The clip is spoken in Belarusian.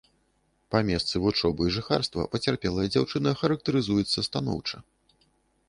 Па месцы вучобы і жыхарства пацярпелая дзяўчына характарызуецца станоўча.